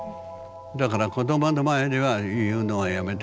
だから子どもの前では言うのはやめてくれと。